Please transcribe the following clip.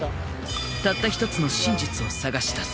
たった一つの真実を探しだす。